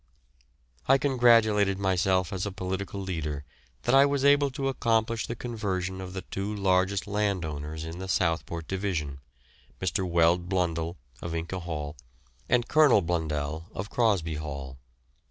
I congratulated myself as a political leader that I was able to accomplish the conversion of the two largest landowners in the Southport Division, Mr. Weld Blundell, of Ince Hall, and Colonel Blundell, of Crosby Hall.